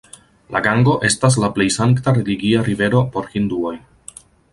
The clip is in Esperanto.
La Gango estas la plej sankta religia rivero por Hinduoj.